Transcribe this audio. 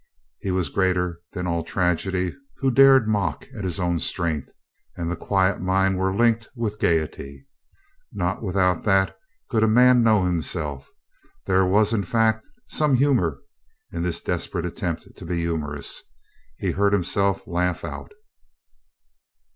He was greater than all trag edy who dared mock at his own. Strength and the quiet mind were linked with gaiety. Not without that could a man know himself. ... There was, in fact, some humor in this desperate attempt to be humorous. He heard himself laugh out.